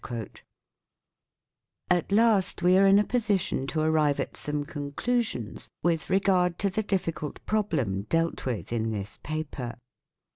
2 At last we are in a position to arrive at some con clusions with regard to the difficult problem dealt with in this paper.